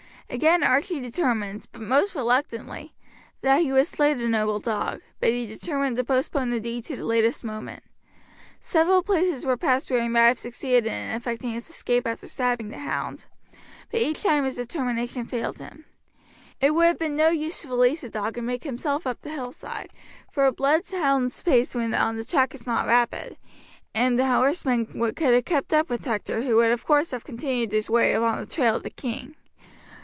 Again Archie determined, but most reluctantly, that he would slay the noble dog; but he determined to postpone the deed to the latest moment. Several places were passed where he might have succeeded in effecting his escape after stabbing the hound, but each time his determination failed him. It would have been of no use to release the dog and make himself up the hillside, for a blood hound's pace when on the track is not rapid, and the horsemen could have kept up with Hector, who would of course have continued his way upon the trail of the king.